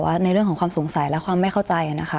ในเรื่องของความสงสัยและความไม่เข้าใจนะคะ